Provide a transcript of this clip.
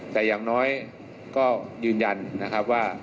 แต่อย่างน้อยก็ยืนยันว่า